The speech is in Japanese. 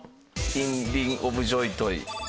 インリン・オブ・ジョイトイ。